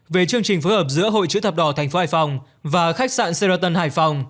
về chương trình phối hợp giữa hội chữ thập đỏ thành phố hải phòng và khách sạn sheraton hải phòng